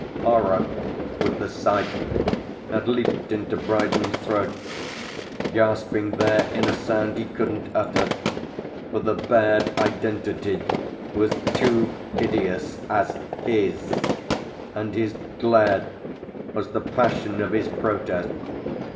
Horror, with the sight, had leaped into Brydon's throat, gasping there in a sound he couldn't utter; for the bared identity was too hideous as his, and his glare was the passion of his protest.